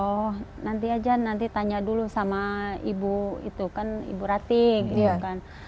oh nanti aja nanti tanya dulu sama ibu itu kan ibu rati gitu kan